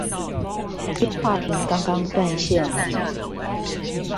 電話亭剛剛斷線了